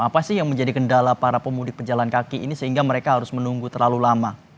apa sih yang menjadi kendala para pemudik pejalan kaki ini sehingga mereka harus menunggu terlalu lama